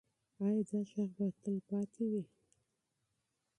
ایا دا غږ به تل پاتې وي؟